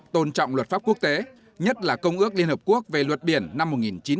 tôn trọng luật pháp quốc tế nhất là công ước liên hợp quốc về luật biển năm một nghìn chín trăm tám mươi hai